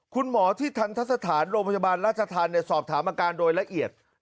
คุณหมอที่ทันทะสถานโรงพยาบาลราชธรรมสอบถามอาการโดยละเอียด